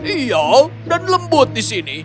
iya dan lembut di sini